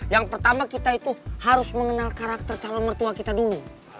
yang pertama kita itu harus mengenal karakter calon mertua kita dulu